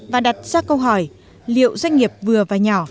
và đặt ra câu hỏi liệu doanh nghiệp vừa và nhỏ